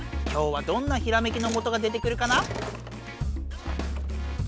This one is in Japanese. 今日はどんなひらめきのもとが出てくるかな？